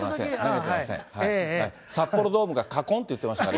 札幌ドームがかこんっていってましたから。